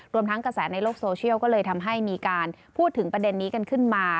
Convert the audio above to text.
ทั้งกระแสในโลกโซเชียลก็เลยทำให้มีการพูดถึงประเด็นนี้กันขึ้นมา